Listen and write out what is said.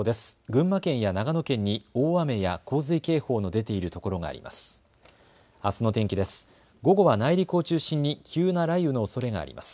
群馬県や長野県に大雨や洪水警報の出ている所があります。